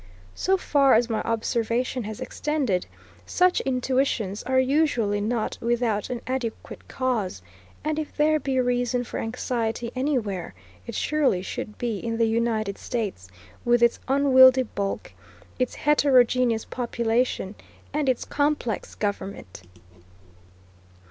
So far as my observation has extended, such intuitions are usually not without an adequate cause, and if there be reason for anxiety anywhere, it surely should be in the United States, with its unwieldy bulk, its heterogeneous population, and its complex government.